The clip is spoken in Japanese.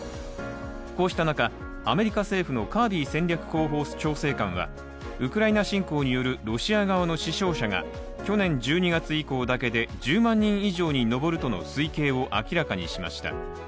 こうした中、アメリカ政府のカービー戦略広報調整官はウクライナ侵攻によるロシア側の死傷者が去年１２月以降だけで、１０万人以上に上るとの推計を明らかにしました。